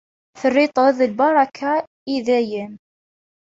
Terriḍ-t d lbaraka i dayem.